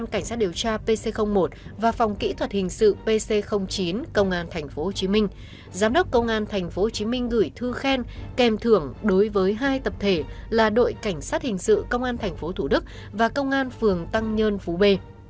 cảnh sát điều tra pc một và phòng kỹ thuật hình sự pc chín công an tp hcm giám đốc công an tp hcm gửi thư khen kèm thưởng đối với hai tập thể là đội cảnh sát hình sự công an tp thủ đức và công an phường tăng nhân phú b